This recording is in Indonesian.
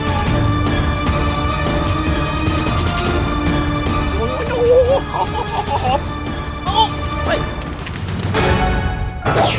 aku akan menangkapmu